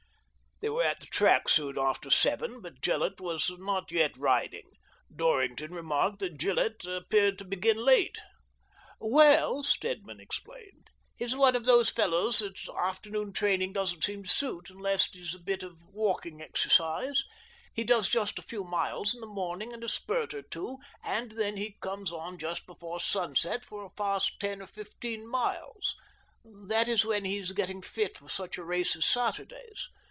They were at the track soon after seven o'clock, but Gillett was not yet riding. Dorrington remarked that Gillett appeared to begin late. "Well," Stedman explained, "he's one of those fellows that afternoon training doesn't seem to suit, unless it is a bit of walking exercise. He just does a few miles in the morning and a spurt or two, and then he comes on just before sunset for a fast ten or fifteen miles — that is, when he is getting fit for such a race as Saturday's.